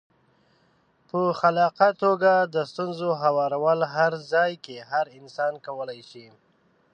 په خلاقه توګه د ستونزو هوارول هر ځای کې هر انسان کولای شي.